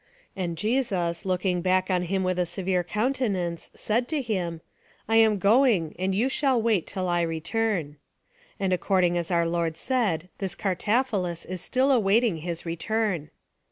and Jesus, looking back on him with a severe countenance, said to him, "I am going, and you shall wait till I return." And according as our Lord said, this Cartaphilus is still awaiting His return.